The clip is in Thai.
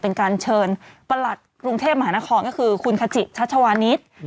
เป็นการเชิญประหลัดกรุงเทพมหานครก็คือคุณคจิชัชวานิส